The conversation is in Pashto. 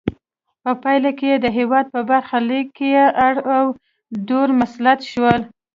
په پایله کې د هېواد په برخه لیک کې اړ او دوړ مسلط شول.